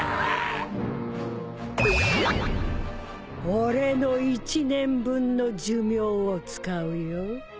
俺の１年分の寿命を使うよ。